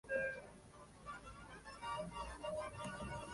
Interpretan temas como "In The Night Sky" antes de debutar en Japón.